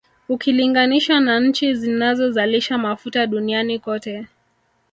Ukilinganisha na nchi zinazozalisha Mafuta duniani kote